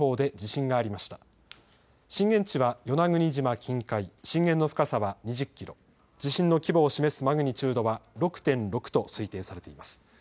震源地は与那国島近海、震源の深さは２０キロ、地震の規模を示すマグニチュードは６．６と推定されています。